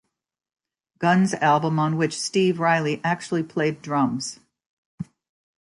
Guns album on which Steve Riley actually played drums.